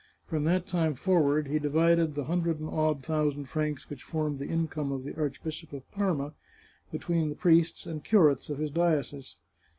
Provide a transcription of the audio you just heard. From that time forward he divided the hundred and odd thousand francs which formed the income of the arch bishopric of Parma between the priests and curates of his diocese.